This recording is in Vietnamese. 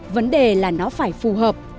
vấn đề là nó phải phù hợp